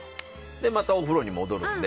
で、またお風呂に戻るので。